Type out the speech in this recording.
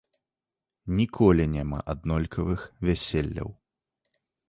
Ніколі няма аднолькавых вяселляў.